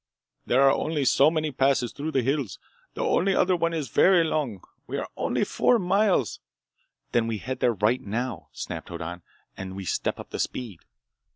There are only so many passes through the hills. The only other one is very long. We are only four miles—" "Then we head there right now!" snapped Hoddan. "And we step up the speed!"